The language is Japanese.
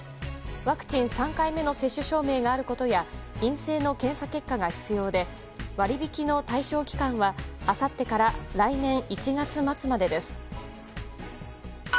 ワクチン３回目の接種証明があることや陰性の検査結果が必要で割引の対象期間はあさってから来年１月末までです。